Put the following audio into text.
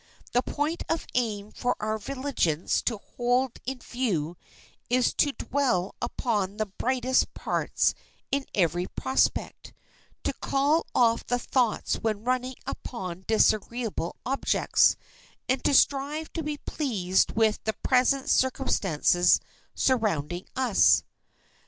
The point of aim for our vigilance to hold in view is to dwell upon the brightest parts in every prospect, to call off the thoughts when running upon disagreeable objects, and strive to be pleased with the present circumstances surrounding us.